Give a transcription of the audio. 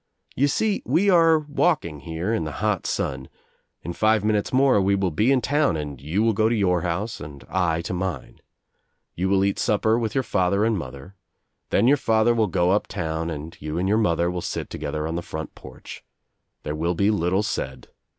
You see we are walking here in the hot sun. In five minutes more we will be in town and you will go to your house and I to mine. You will eat supper with your father and mother. Then your father will go up town and you and your mother will sit together on the front porch. There will he little said.